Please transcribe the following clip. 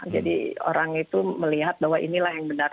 jadi orang itu melihat bahwa inilah yang benar